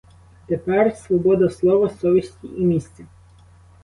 Тепер свобода слова, совісті і місця.